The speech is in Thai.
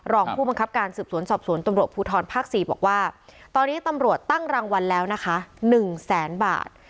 รองผู้บังคับการสืบสวนสอบสวนตำรวจภูทรภาค๔บอกว่าตอนนี้ตำรวจตั้งรางวัลแล้วนะคะ๑แสนบาท